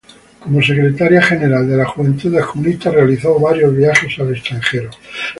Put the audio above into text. Como secretaria general de las Juventudes Comunistas realizó varios viajes al extranjero.